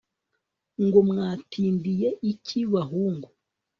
Ngo Mwatindiye iki bahungu